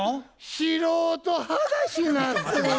素人話なってん。